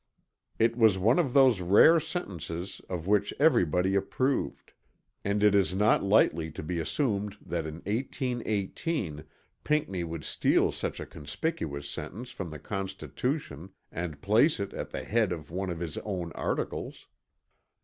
It was one of those rare sentences of which everybody approved; and it is not lightly to be assumed that in 1818 Pinckney would steal such a conspicuous sentence from the Constitution and place it at the head of one of his own articles.